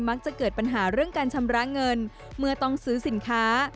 จะเกิดปัญหาเรื่องการชำระเงินเมื่อต้องซื้อสินค้า